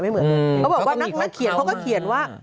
เหมือนเขาบอกว่านักเขียนเขาก็เขียนว่า